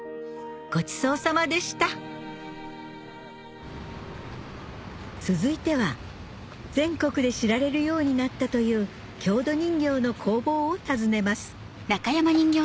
ごちそうさまでした続いては全国で知られるようになったという郷土人形の工房を訪ねます